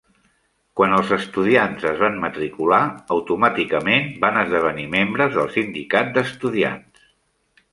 Quan els estudiants es van matricular, automàticament van esdevenir membres del Sindicat d'estudiants.